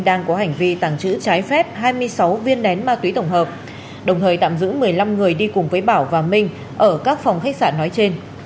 đang có hành vi tàng trữ trái phép hai mươi sáu viên nén ma túy tổng hợp đồng thời tạm giữ một mươi năm người đi cùng với bảo và minh ở các phòng khách sạn nói trên